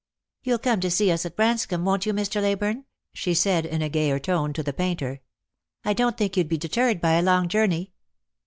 " You'll come to see us at Branscomb, won't you, Mr. Ley burne ?" she said in a gayer tone to the painter. " I don't think you'd be deterred by a long journey."